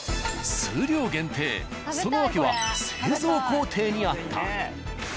数量限定その訳は製造工程にあった。